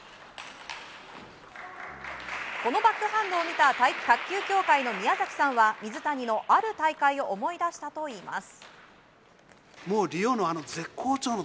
このバックハンドを見た卓球協会の宮崎さんは水谷のある大会を思い出したといいます。